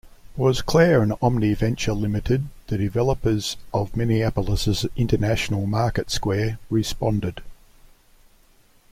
Boisclair and Omni Venture, Limited the developers of Minneapolis' International Market Square, responded.